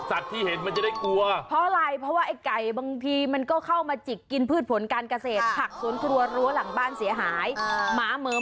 อ้าวลูกค้ายังมาเออแต่ว่าบางทีก็ทำให้ตกใจไม่ใช่แค่ลูกค้าหรือคนเท่านั้น